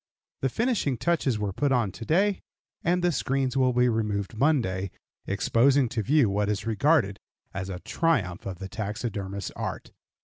The finishing touches were put on to day, and the screens will be removed Monday, exposing to view what is regarded as a triumph of the taxidermist's art.